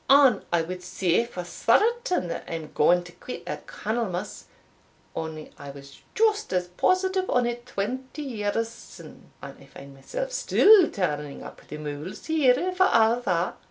And I wad say for certain, that I am gaun to quit at Cannlemas, only I was just as positive on it twenty years syne, and I find mysell still turning up the mouls here, for a' that.